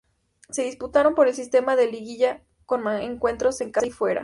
Se disputaron por el sistema de liguilla, con encuentros en casa y fuera.